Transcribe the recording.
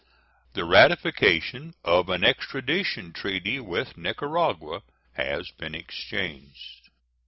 The ratification of an extradition treaty with Nicaragua has been exchanged.